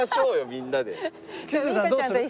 みんなで。